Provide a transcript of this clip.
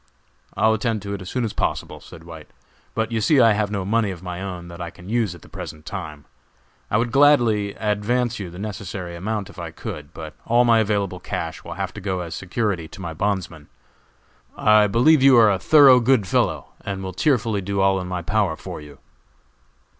"I'll attend to it as soon as possible," said White; "but you see I have no money of my own that I can use at the present time. I would gladly advance you the necessary amount if I could, but all my available cash will have to go as security to my bondsmen. I believe you a thorough good fellow, and will cheerfully do all in my power for you."